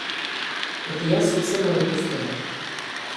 Оти јас сосема не постојам.